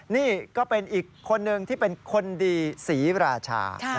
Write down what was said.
นี่ก็เป็นอีกคนนึงที่เป็นคนดีศรีราชา